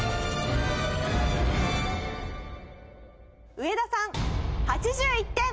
上田さん８１点。